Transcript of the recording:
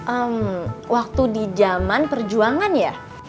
ehm waktu di zaman perjuangan ya